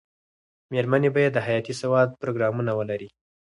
مېرمنې باید د حياتي سواد پروګرامونه ولري.